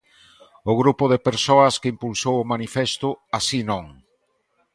O grupo de persoas que impulsou o manifesto Así, Non!